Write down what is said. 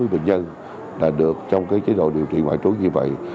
ba mươi bệnh nhân là được trong cái chế độ điều trị ngoại trú như vậy